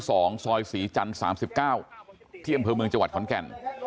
ซอยศรีจันทร์๓๙ที่อำเภอเมืองจังหวัดขอนแก่น